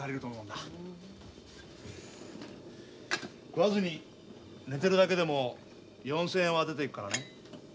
食わずに寝てるだけでも４，０００円は出ていくからね。